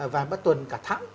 vài ba tuần cả tháng